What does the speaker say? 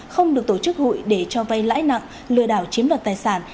không được tổ chức hụi để cho vay lãi nặng lừa đảo chiếm đoạt tài sản